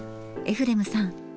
エフレムさん